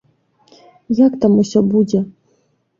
Як там усё будзе?